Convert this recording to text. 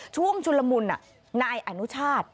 ช่วงชุลมุลน่ะนายอนุชาติ